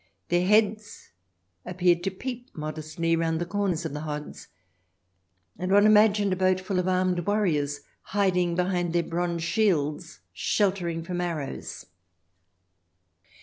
Their heads appeared to peep modestly round the corners of the hods, and one imagined a boat full of armed warriors hiding behind their bronze shields, sheltering from arrows.